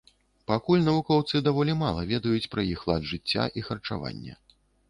Пакуль навукоўцы даволі мала ведаюць пра іх лад жыцця і харчаванне.